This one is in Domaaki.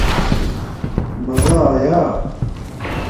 مزہ آیݳ؟